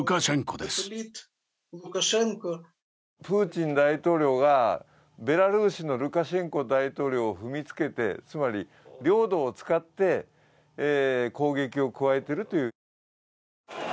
プーチン大統領がベラルーシのルカシェンコ大統領を踏みつけて、つまり領土を使って攻撃を加えているという。